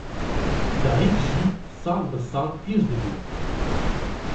Dayîk jî sal bi sal pîr dibû